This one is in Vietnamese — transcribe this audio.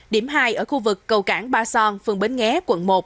điểm hai ở khu vực cầu cảng ba son phường bến nghé quận một